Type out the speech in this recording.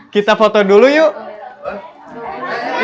kita foto dulu yuk